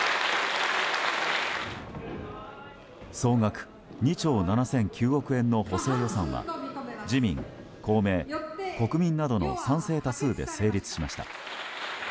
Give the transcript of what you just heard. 総額２兆７００９億円の補正予算は自民、公明、国民などの賛成多数で成立しました。